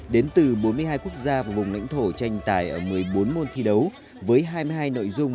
đến từ bốn mươi hai quốc gia và vùng lãnh thổ tranh tài ở một mươi bốn môn thi đấu với hai mươi hai nội dung